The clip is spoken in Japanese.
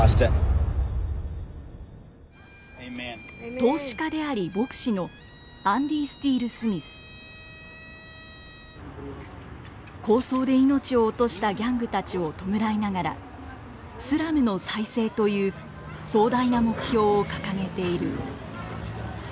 投資家であり牧師の抗争で命を落としたギャングたちを弔いながらスラムの再生という壮大な目標を掲げている。